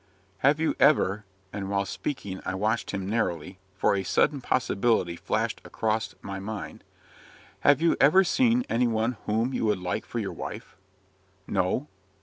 "Have you ever " and, while speaking, I watched him narrowly, for a sudden possibility flashed across my mind "Have you ever seen any one whom you would like for your wife?" "No."